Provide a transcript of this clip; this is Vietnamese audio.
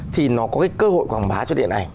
thì nó có cái cơ hội quảng bá cho điện ảnh